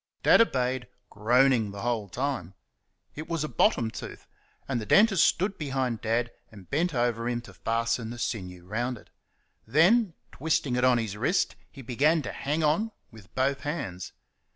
Dad obeyed, groaning the whole time. It was a bottom tooth, and the dentist stood behind Dad and bent over him to fasten the sinew round it. Then, twisting it on his wrist, he began to "hang on" with both hands.